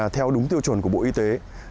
theo đúng tiêu chuẩn của bộ y tế